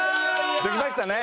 できましたね。